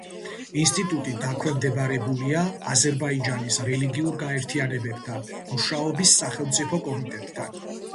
ინსტიტუტი დაქვემდებარებულია აზერბაიჯანის რელიგიურ გაერთიანებებთან მუშაობის სახელმწიფო კომიტეტთან.